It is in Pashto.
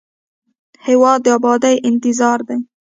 هېواد د ابادۍ انتظار دی.